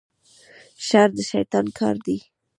شر د شیطان کار دی